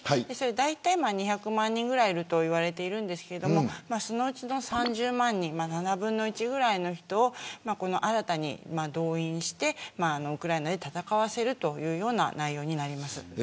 だいたい２００万人ぐらいといわれているんですけれどもそのうちの３０万人７分の１ぐらいの人を新たに動員してウクライナで戦わせるという内容になります。